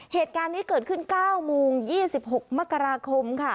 เหตุการณ์นี้เกิดขึ้น๙โมง๒๖มกราคมค่ะ